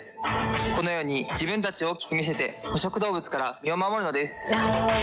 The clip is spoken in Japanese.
このように自分たちを大きく見せて捕食動物から身を守るのです。